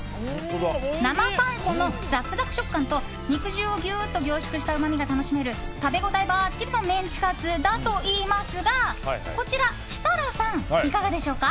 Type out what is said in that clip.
生パン粉のザクザク食感と肉汁をギュッと凝縮したうまみが楽しめる食べ応えばっちりのメンチカツだといいますがこちら設楽さんいかがでしょうか。